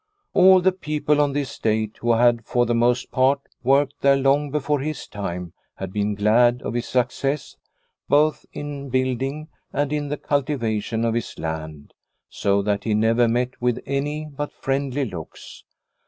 All the people on the estate who had, for the most part, worked there long before his time had been glad of his success both in 212 Liliecrona's Home building and in the cultivation of his land, so that he never met with any but friendly looks.